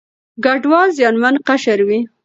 کډوال زیانمن قشر وي.